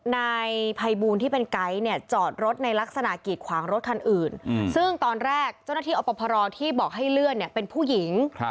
นายภัยบูลที่เป็นไก๊เนี่ยจอดรถในลักษณะกีดขวางรถคันอื่นซึ่งตอนแรกเจ้าหน้าที่อพรที่บอกให้เลื่อนเนี่ยเป็นผู้หญิง